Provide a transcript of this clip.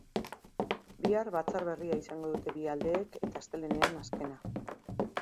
Bihar batzar berri izango dute bi aldeek eta astelehenean azkena.